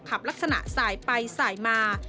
ลักษณะสายไปสายมา